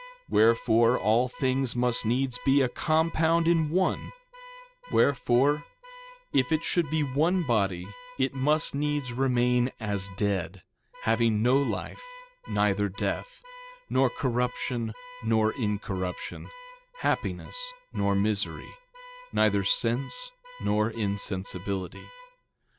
Wherefore, all things must needs be a compound in one; wherefore, if it should be one body it must needs remain as dead, having no life neither death, nor corruption nor incorruption, happiness nor misery, neither sense nor insensibility.